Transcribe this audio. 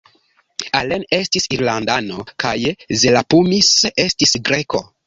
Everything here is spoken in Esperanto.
Allen estis Irlandano kaj Zerapumis estis Greko.